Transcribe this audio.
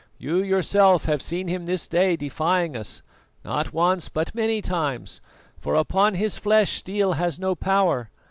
You, yourself, have seen him this day defying us, not once but many times, for upon his flesh steel has no power.